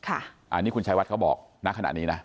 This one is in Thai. อันนี้คุณชายวัดเขาบอกณขณะนี้นะ